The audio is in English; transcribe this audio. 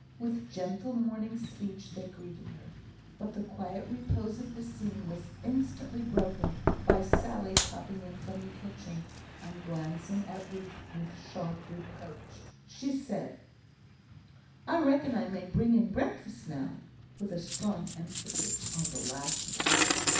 With gentle morning speech they greeted her; but the quiet repose of the scene was instantly broken by Sally popping in from the kitchen, and glancing at Ruth with sharp reproach. She said: "I reckon I may bring in breakfast, now?" with a strong emphasis on the last word.